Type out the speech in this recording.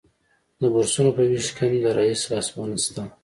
د بورسونو په ویش کې هم د رییس لاسوهنه شته